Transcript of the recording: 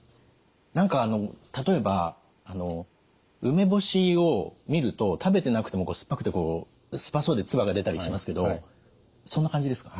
何かあの例えば梅干しを見ると食べてなくてもこう酸っぱそうで唾が出たりしますけどそんな感じですか？